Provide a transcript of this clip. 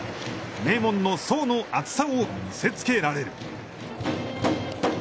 名門の層の厚さを見せつけられる。